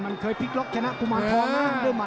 มันเคยพิคล็อกแค่นั้นโอ้โหเหมือนกับทางนั้น